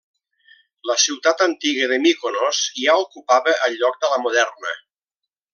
La ciutat antiga de Míkonos ja ocupava el lloc de la moderna.